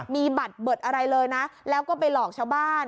มีบัตรเบิดอะไรเลยนะแล้วก็ไปหลอกชาวบ้าน